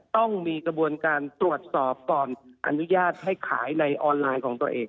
ต้องมีกระบวนการตรวจสอบก่อนอนุญาตให้ขายในออนไลน์ของตัวเอง